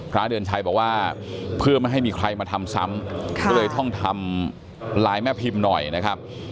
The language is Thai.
พระเดือนชัยบอกว่าเพื่อไม่ให้มีใครมาทำซ้ำก็เลยต้องทำลายแม่พิมพ์หน่อยนะครับ